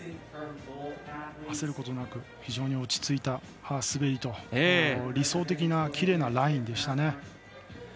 焦ることなく非常に落ち着いた滑りと理想的なきれいなラインでしたね。